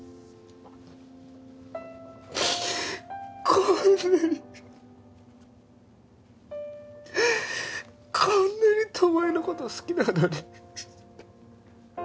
こんなにこんなに巴の事好きなのに。